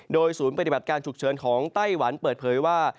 โดยศูนย์ปฏิบัติการฉุกเฉินของไต้หวันเปิดเผยว่า